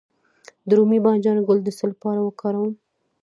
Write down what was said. د رومي بانجان ګل د څه لپاره وکاروم؟